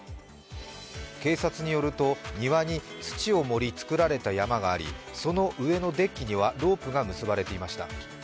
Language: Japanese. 警察によると庭に土を盛りつくられた山がありその上のデッキにはロープが結ばれていました。